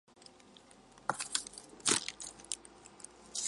道光二十年十一月初十丙寅逝世。